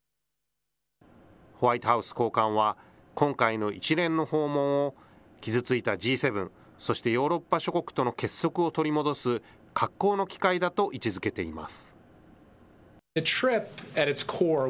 ホワイトハウス高官は、今回の一連の訪問を傷ついたＧ７、そしてヨーロッパ諸国との結束を取り戻す格好の機会だと位置づけています。